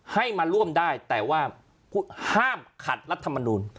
ให้มาร่วมได้แต่ว่าห้ามขัดรัฐมนูล